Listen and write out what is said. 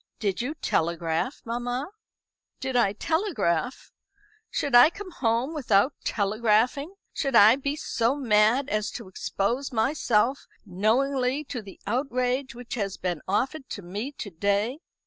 "Did you telegraph, mamma?" "Did I telegraph? Should I come home without telegraphing? Should I be so mad as to expose myself knowingly to the outrage which has been offered to me to day?"